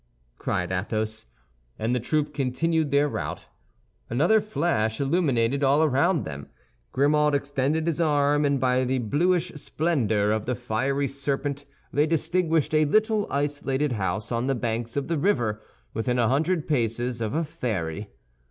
cried Athos. And the troop continued their route. Another flash illuminated all around them. Grimaud extended his arm, and by the bluish splendor of the fiery serpent they distinguished a little isolated house on the banks of the river, within a hundred paces of a ferry.